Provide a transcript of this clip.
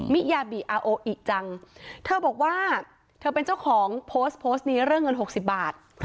มิยาบิอาโออิจังเธอบอกว่าเธอเป็นเจ้าของโพสต์โพสต์นี้เรื่องเงิน๖๐บาท